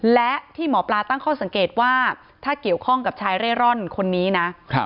และที่หมอปลาตั้งข้อสังเกตว่าถ้าเกี่ยวข้องกับชายเร่ร่อนคนนี้นะ